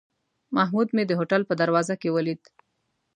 محمود مې د هوټل په دروازه کې ولید.